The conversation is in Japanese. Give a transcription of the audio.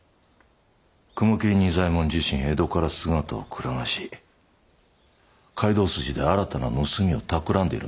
雲霧仁左衛門自身江戸から姿をくらまし街道筋で新たな盗みをたくらんでいるのかもしれん。